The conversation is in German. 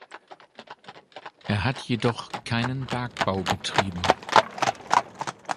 Er hat jedoch keinen Bergbau betrieben.